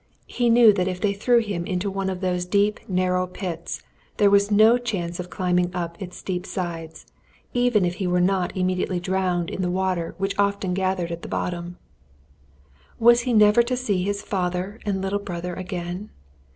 He knew that if they threw him into one of those deep narrow pits there was no chance of climbing up its steep sides, even if he were not immediately drowned in the water which often gathered at the bottom. Was he never to see his father and little brother again?